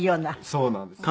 そうなんです。